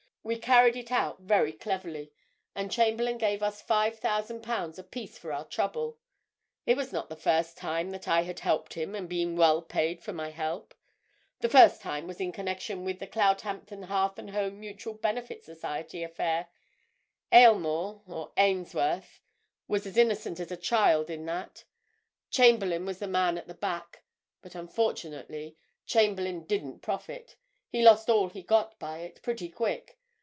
We carried it out very cleverly, and Chamberlayne gave us five thousand pounds apiece for our trouble. It was not the first time that I had helped him and been well paid for my help. The first time was in connection with the Cloudhampton Hearth and Home Mutual Benefit Society affair—Aylmore, or Ainsworth, was as innocent as a child in that!—Chamberlayne was the man at the back. But, unfortunately, Chamberlayne didn't profit—he lost all he got by it, pretty quick.